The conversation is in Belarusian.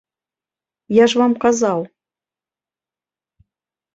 Я ж вам казаў.